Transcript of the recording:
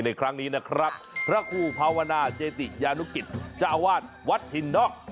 ในครั้งนี้นะครับพระครูภาวนาเจติยานุกิจเจ้าอาวาสวัดถิ่นนอก